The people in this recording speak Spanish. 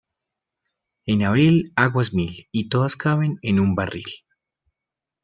En abril aguas mil y todas caben en un barril.